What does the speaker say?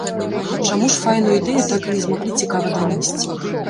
Чаму ж файную ідэю так і не змаглі цікава данесці?